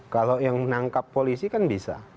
kalau yang menangkap polisi kan bisa